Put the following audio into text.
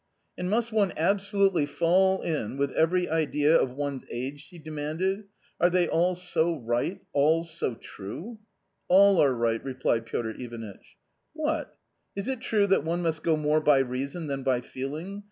" And must one absolutely fall in with every idea of one's age ?" she demanded. " Are they all so right, all so true ?"" All are right !" replied Piotr Ivanitch. " What ! is it true that one must go more by reason than by feeling?